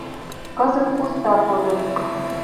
Кызыт пуста кодын.